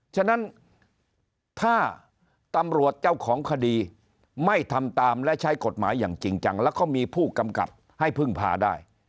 ฉะนั้นถ้าตำรวจเจ้าของคดีไม่ทำตามและใช้กฎหมายอย่างจริงจังแล้วก็มีผู้กำกับให้พึ่งพาได้